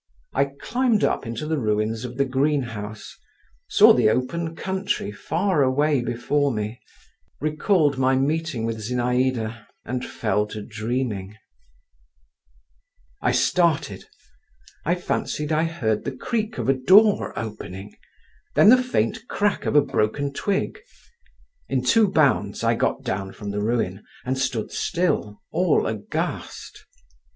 I climbed up into the ruins of the greenhouse, saw the open country far away before me, recalled my meeting with Zinaïda, and fell to dreaming…. I started…. I fancied I heard the creak of a door opening, then the faint crack of a broken twig. In two bounds I got down from the ruin, and stood still, all aghast.